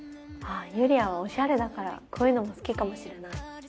ゆりあはオシャレだからこういうのも好きかもしれない。